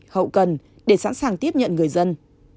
hậu cần để sẵn sàng tiếp nhận người dân